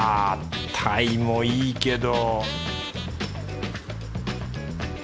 タイもいいけど